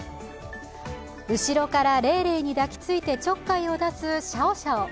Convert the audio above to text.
後ろからレイレイに抱きついて、ちょっかいを出すシャオシャオ。